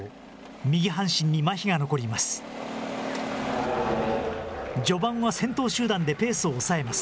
右半身にまひが残ります。